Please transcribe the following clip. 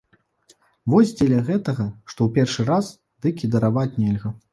Вось дзеля гэтага, што ў першы раз, дык і дараваць нельга.